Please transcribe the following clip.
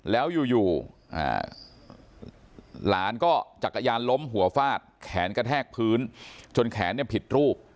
แล้วอยู่หลานก็จักรยานล้มหัวฟาดแขนกระแทกพื้นจนแขนเนี่ยผิดรูป